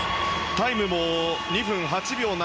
タイムも２分８秒７５。